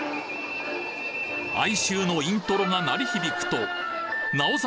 哀愁のイントロが鳴り響くと直実